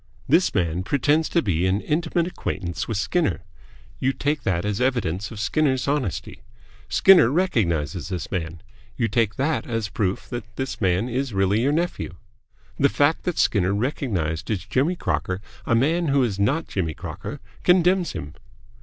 This man pretends to an intimate acquaintance with Skinner. You take that as evidence of Skinner's honesty. Skinner recognises this man. You take that as proof that this man is really your nephew. The fact that Skinner recognised as Jimmy Crocker a man who is not Jimmy Crocker condemns him."